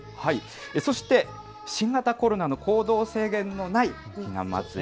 そして新型コロナの行動制限のない、ひな祭り。